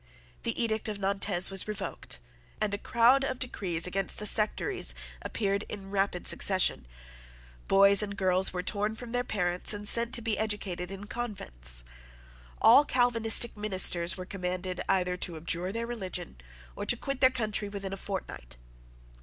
The edict of Nantes was revoked; and a crowd of decrees against the sectaries appeared in rapid succession. Boys and girls were torn from their parents and sent to be educated in convents. All Calvinistic ministers were commanded either to abjure their religion or to quit their country within a fortnight.